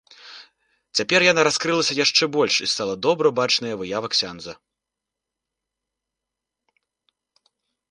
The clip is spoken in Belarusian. Цяпер яна раскрылася яшчэ больш і стала добра бачная выява ксяндза.